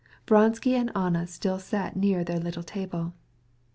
Vronsky and Anna still sat at the little table.